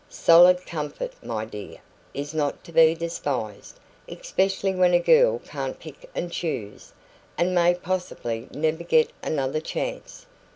Solid comfort, my dear, is not to be despised, especially when a girl can't pick and choose, and may possibly never get another chance.